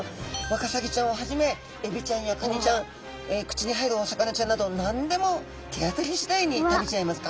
ワカサギちゃんをはじめエビちゃんやカニちゃん口に入るお魚ちゃんなど何でも手当たりしだいに食べちゃいます。